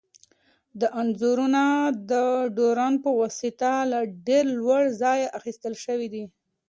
دا انځورونه د ډرون په واسطه له ډېر لوړ ځایه اخیستل شوي دي.